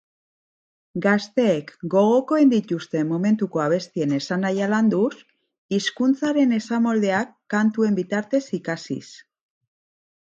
Gazteek gogokoen dituzten momentuko abestien esanahia landuz, hizkuntzaren esamoldeak kantuen bitartez ikasiz.